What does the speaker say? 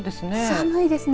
寒いですね。